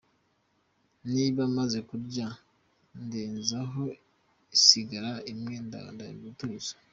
Niba maze kurya ndezaho isigara imwe ngatuza.